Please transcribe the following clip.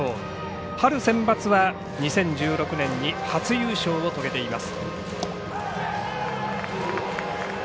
春センバツは２０１６年に初優勝を遂げています。